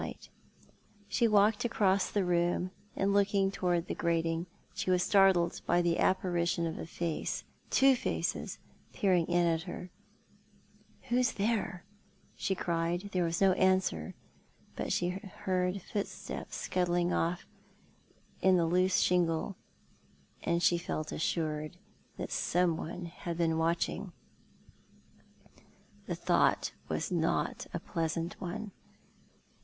Grjidged I so much to die?" 149 She walked across the room, and, looking towards the grating, she was startled by the apparition of a face — two faces — peering in at her, " Who's there ?" she cried. There was no answer, but she heard footsteps scuttling off in the loose shingle, and she felt assured that someone had been watching. The thought was not a pleasant one.